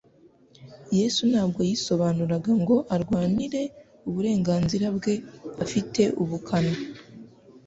Yesu ntabwo yisobanuraga ngo arwanire uburenganzira bwe afite ubukana.